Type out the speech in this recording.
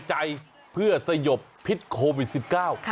ใจเพื่อสยบพิษโควิด๑๙